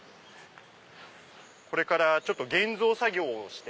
これから現像作業をして。